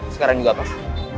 sekarang juga pak